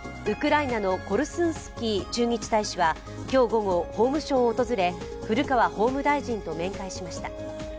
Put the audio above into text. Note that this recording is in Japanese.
ウクライナのコルスンスキー駐日大使は今日午後、法務省を訪れ古川法務大臣と面会しました。